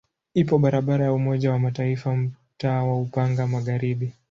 Ipo barabara ya Umoja wa Mataifa mtaa wa Upanga Magharibi.